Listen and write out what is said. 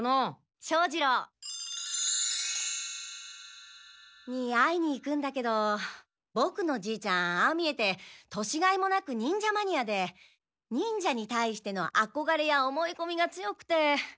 庄二郎。に会いに行くんだけどボクのじーちゃんああ見えて年がいもなく忍者マニアで忍者に対してのあこがれや思いこみが強くて。